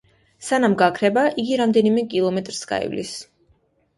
სანამ გაქრება, იგი რამდენიმე კილომეტრს გაივლის.